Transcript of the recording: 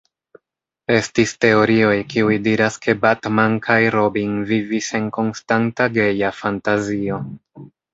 Estis teorioj kiuj diras ke Batman kaj Robin vivis en konstanta geja fantazio.